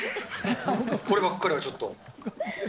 こればっかりはちょっと。